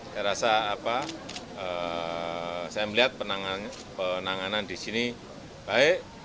saya rasa saya melihat penanganan di sini baik